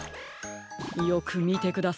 よくみてください